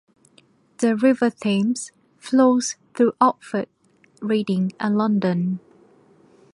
The River Thames flows through Oxford, Reading and London.